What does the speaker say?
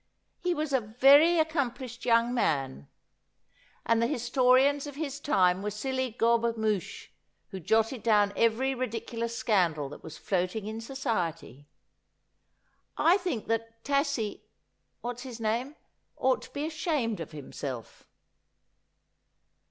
He was a very accomplished young man, and the historians of his time were silly gobe mouches, who jotted down every ridiculous scandal that was floating in society. I think that Taci what's his name ought to be ashamed of himself.'